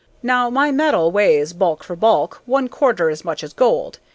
Now my metal weighs, bulk for bulk, one quarter as much as gold.